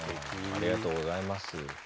ありがとうございます。